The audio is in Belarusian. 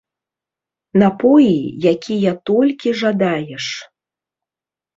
Напоі, якія толькі жадаеш.